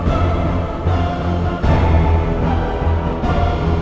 aku sudah sampai